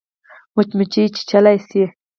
مچمچۍ چیچلای شي